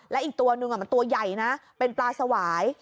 และอีกตัวนึงมันตัวใหญ่นะเป็นปลาสวาย